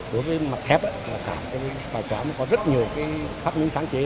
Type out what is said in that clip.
đối với mặt thép và cả cái bài toán có rất nhiều phát minh sáng chế